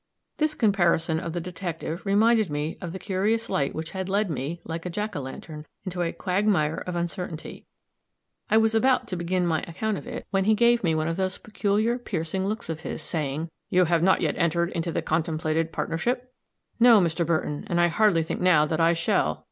This comparison of the detective reminded me of the curious light which had led me, like a Jack o' lantern, into a quagmire of uncertainty; I was about to begin my account of it, when he gave me one of those peculiar piercing looks of his, saying, "You have not yet entered into the contemplated partnership?" "No, Mr. Burton; and I hardly think now that I shall."